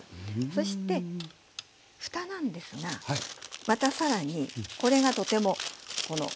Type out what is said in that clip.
そして蓋なんですがまた更にこれがとてもこの。